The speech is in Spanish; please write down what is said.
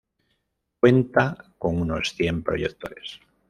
Cuenta con unos cien proyectores.